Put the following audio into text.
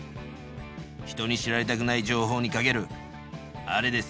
人に知られたくない情報にかけるあれです。